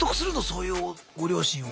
そういうご両親を。